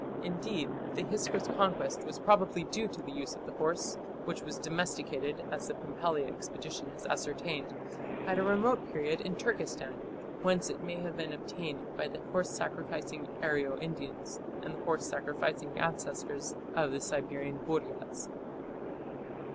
Indeed the Hyksos conquest was probably due to the use of the horse, which was domesticated, as the Pumpelly expedition has ascertained, at a remote period in Turkestan, whence it may have been obtained by the horse sacrificing Aryo Indians and the horse sacrificing ancestors of the Siberian Buriats.